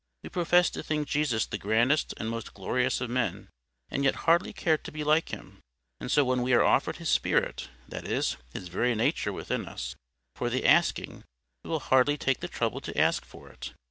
We profess to think Jesus the grandest and most glorious of men, and yet hardly care to be like Him; and so when we are offered His Spirit, that is, His very nature within us, for the asking, we will hardly take the trouble to ask for it.